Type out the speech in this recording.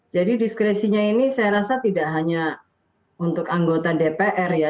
jadi diskresinya ini saya rasa tidak hanya untuk anggota dpr ya